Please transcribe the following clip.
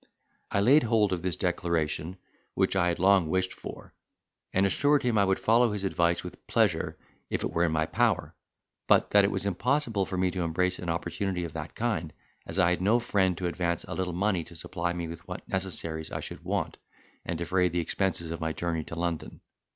I laid hold of this declaration, which I had long wished for, and assured him I would follow his advice with pleasure, if it were in my power; but that it was impossible for me to embrace an opportunity of that kind, as I had no friend to advance a little money to supply me with what necessaries I should want, and defray the expenses of my journey to London.